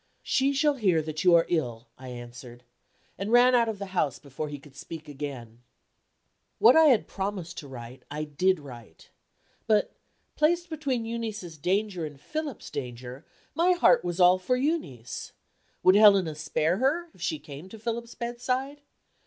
"She shall hear that you are ill," I answered and ran out of the room before he could speak again. What I had promised to write, I did write. But, placed between Euneece's danger and Philip's danger, my heart was all for Euneece. Would Helena spare her, if she came to Philip's bedside?